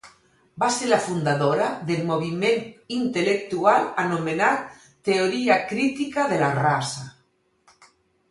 Va ser la fundadora del moviment intel·lectual anomenat Teoria Crítica de la Raça.